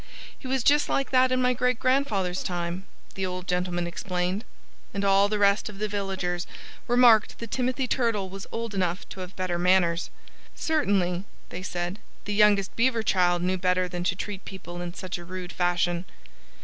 "He was just like that in my great grandfather's time," the old gentleman explained. And all the rest of the villagers remarked that Timothy Turtle was old enough to have better manners. Certainly, they said, the youngest Beaver child knew better than to treat people in such a rude fashion.